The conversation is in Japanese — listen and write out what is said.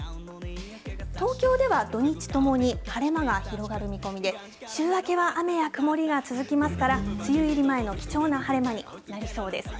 東京では土日ともに晴れ間が広がる見込みで、週明けは雨や曇りが続きますから、梅雨入り前の貴重な晴れ間になりそうです。